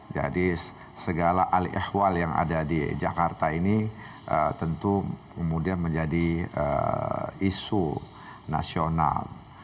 jadi segala alih alih yang ada di jakarta ini tentu kemudian menjadi isu nasional